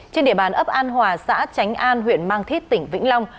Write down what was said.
trên địa bàn ấp an hòa xã tránh an huyện mang thít tỉnh vĩnh long